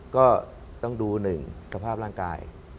ก็ต้องดู๑สภาพร่างกาย